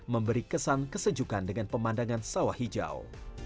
memberi kesan kesejukan dengan pemandangan sawah hijau